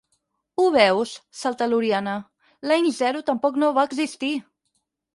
Ho veus? —salta l'Oriana— L'any zero tampoc no va existir!